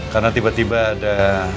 karena tiba tiba ada